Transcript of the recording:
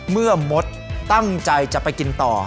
เมื่อมดตั้งใจจะไปกินต่อ